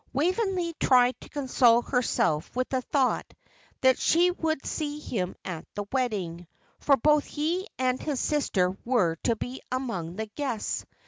Waveney tried to console herself with the thought that she would see him at the wedding, for both he and his sister were to be among the guests.